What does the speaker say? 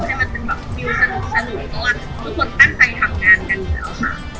ให้มันเป็นแบบฟิลสนุกเพราะว่าทุกคนตั้งใจทำงานกันอยู่แล้วค่ะ